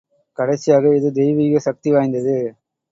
கடைசியாக, இது தெய்வீக சக்தி வாய்ந்தது.